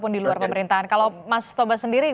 pun di luar pemerintahan kalau mas toba sendiri